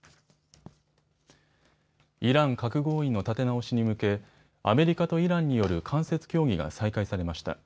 イラン核合意の立て直しに向けアメリカとイランによる間接協議が再開されました。